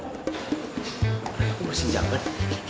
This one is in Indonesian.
aku bersihin jam ban